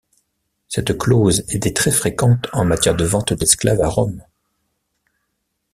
Cette clause était très fréquente en matière de vente d'esclaves à Rome.